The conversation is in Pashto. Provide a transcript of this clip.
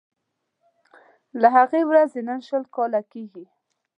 له هغې ورځي نن شل کاله تیریږي